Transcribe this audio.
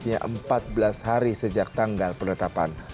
hanya empat belas hari sejak tanggal penetapan